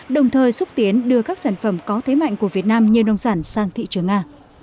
đồng thời xúc tiến đưa các sản phẩm có thế mạnh của việt nam như nông sản sang thị trường nga